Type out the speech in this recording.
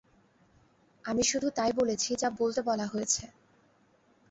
আমি শুধু তাই বলেছি যা বলতে বলা হয়েছে।